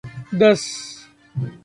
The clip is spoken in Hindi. दस